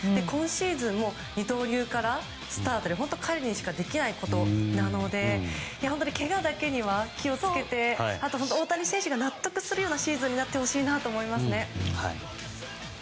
今シーズンも二刀流からスタートで、本当に彼にしかできないことなのでけがだけには気を付けてあと大谷選手が納得するようなシーズンになってほしいと思います。